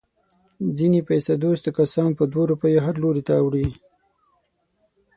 ځنې پیسه دوسته کسان په دوه روپیو هر لوري ته اوړي.